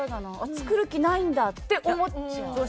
作る気ないんだって思っちゃう。